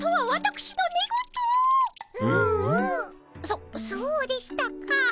そそうでしたか。